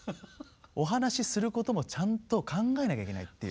お話しすることもちゃんと考えなきゃいけないっていう。